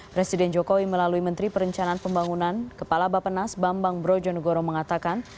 presiden jokowi melalui menteri perencanaan pembangunan kepala bapenas bambang brojonegoro mengatakan